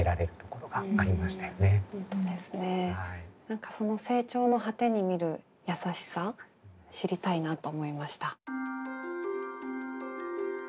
何かその成長の果てに見るやさしさ知りたいなと思いました。